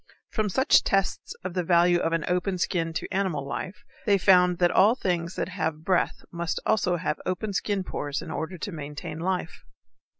From such tests of the value of an open skin to animal life they found that all things that have breath must have open skin pores in order to maintain life.